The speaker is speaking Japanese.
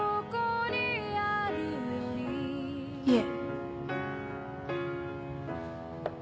いえ。